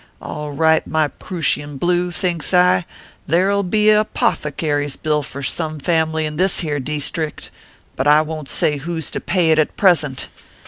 All right, my prooshian blue, thinks I, there ll be a pothecary s bill for some, family in this here deestrict : but I won t say who s to pay it at present.